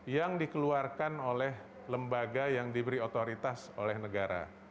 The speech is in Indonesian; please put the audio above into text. yang dikeluarkan oleh lembaga yang diberi otoritas oleh negara